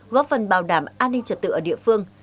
góp phần bảo đảm an ninh trật tự ở địa phương